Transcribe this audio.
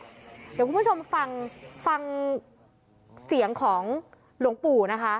เดี๋ยวคุณผู้ชมฟังฟังเสียงของหลวงปู่นะคะ